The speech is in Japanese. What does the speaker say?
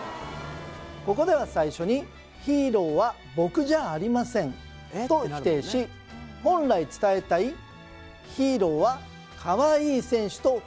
ここでは最初に「ヒーローは僕じゃありません」と否定し本来伝えたい「ヒーローはかわいい選手と」